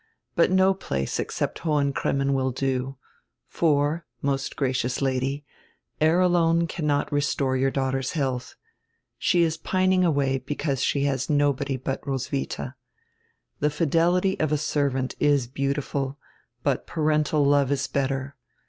But no place except Hohen Cremmen will do. For, most gra cious Lady, air alone cannot restore your daughter's health. She is pining away because she has nobody but Roswitha. The fidelity of a servant is beautiful, but parental love is better.